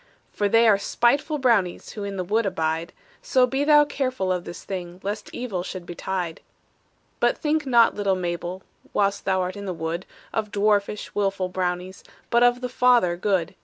"For they are spiteful brownies Who in the wood abide; So be thou careful of this thing, Lest evil should betide. "But think not, little Mabel, Whilst thou art in the wood, Of dwarfish, willful brownies, But of the Father good.